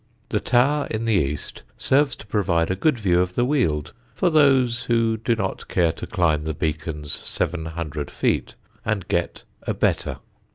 The tower in the east serves to provide a good view of the Weald for those who do not care to climb the beacon's seven hundred feet and get a better.